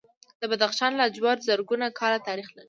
د بدخشان لاجورد زرګونه کاله تاریخ لري